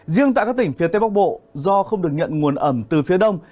riêng tại các tỉnh phía tây bắc bộ do không được nhận nguồn ẩm từ phía đông